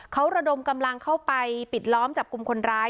เขาระดมกำลังเข้าไปปิดล้อมจับกลุ่มคนร้าย